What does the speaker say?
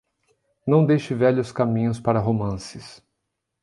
Não deixe velhos caminhos para romances.